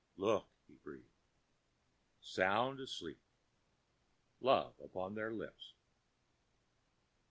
"Look," he breathes. "Sound asleep. Love upon their lips."